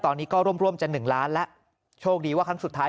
ตอนนี้ก็ร่วมจะ๑ล้านแล้วโชคดีว่าครั้งสุดท้าย